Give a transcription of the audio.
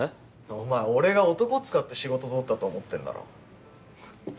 お前俺が男使って仕事取ったと思ってんだろ。